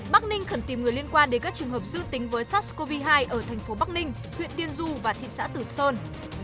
bắc ninh khẩn tìm người liên quan đến các trường hợp dương tính với sars cov hai ở thành phố bắc ninh huyện tiên du và thị xã tử sơn